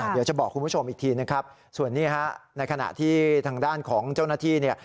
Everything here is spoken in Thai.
เดี๋ยวจะบอกคุณผู้ชมอีกทีนะครับส่วนนี้ฮะในขณะที่ทางด้านของเจ้าหน้าที่เนี่ย